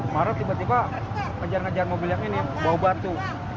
marah tiba tiba kejar ngejar mobil yang ini bawa batu